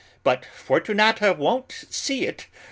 But Fortunata won't see it!